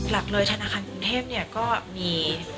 หลักเลยธนาคารกรุงเทพก็มี